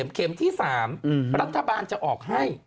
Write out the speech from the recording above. เข็มที่๓รัฐบาลจะออกให้